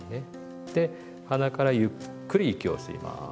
で鼻からゆっくり息を吸います。